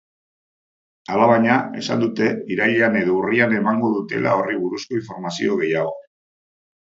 Alabaina, esan dute irailean edo urrian emango dutela horri buruzko informazio gehiago.